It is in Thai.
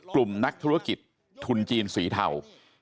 กลุ่มนักธุรกิจทุนจีนสีเทา